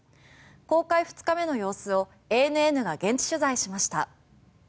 公開２日目の様子をＡＮＮが現地取材しました。